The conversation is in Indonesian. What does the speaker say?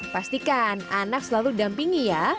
pastikan anak selalu dampingi ya